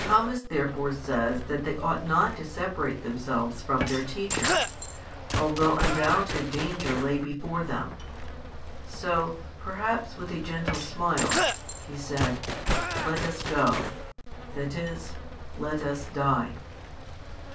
Thomas therefore says that they ought not to separate themselves from their Teacher, although undoubted danger lay before them; so, perhaps with a gentle smile, He said: Let us go, that is, Let us die.